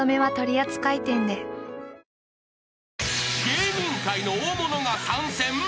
［芸人界の大物が参戦？］